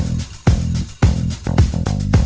มีวันหยุดเอ่ออาทิตย์ที่สองของเดือนค่ะ